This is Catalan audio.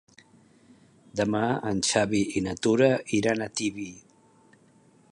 Demà en Xavi i na Tura iran a Tibi.